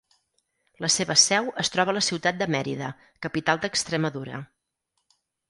La seva seu es troba a la ciutat de Mèrida, capital d'Extremadura.